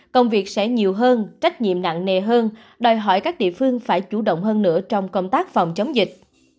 công việc sẽ nhiều hơn trách nhiệm nặng nề hơn đòi hỏi các địa phương phải chủ động hơn nữa trong công tác phòng chống dịch